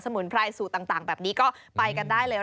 มุนไพรสูตรต่างแบบนี้ก็ไปกันได้เลย